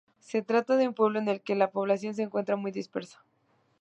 Se trata de un pueblo en el que la población se encuentra muy dispersa.